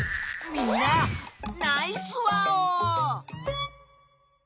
みんなナイスワオー！